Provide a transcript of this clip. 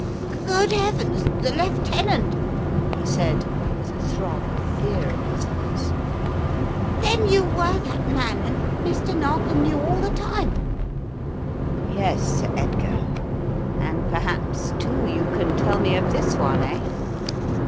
"Good heavens! The lieutenant!" he said, with a throb of fear in his voice. "Then you were that man — and Mr. Narkom knew all the time." "Yes, Sir Edgar, and perhaps, too, you can tell me of this one, eh?"